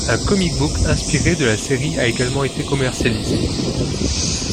Un comic book inspiré de la série a également été commercialisé.